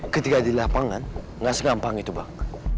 ketika di lapangan nggak segampang itu bang